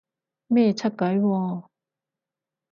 咩出軌喎？